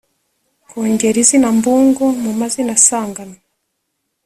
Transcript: kongera izina Mbungo mu mazina asanganywe